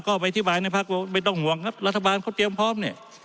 ก็ไปอธิบายในพักว่าไม่ต้องห่วงครับรัฐบาลเขาเตรียมพร้อมเนี่ย